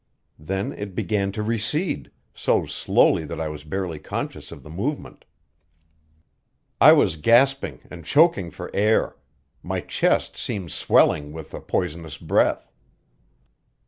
Then it began to recede, so slowly that I was barely conscious of the movement. I was gasping and choking for air; my chest seemed swelling with the poisonous breath.